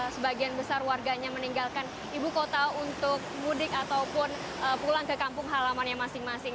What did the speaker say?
sebagian besar warganya meninggalkan ibu kota untuk mudik ataupun pulang ke kampung halamannya masing masing